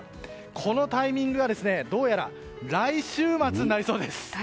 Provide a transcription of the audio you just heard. このタイミングがどうやら来週末になりそうです。